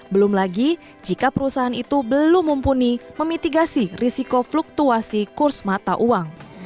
belum lagi jika perusahaan itu belum mumpuni memitigasi risiko fluktuasi kurs mata uang